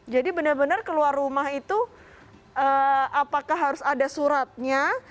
jadi benar benar keluar rumah itu apakah harus ada suratnya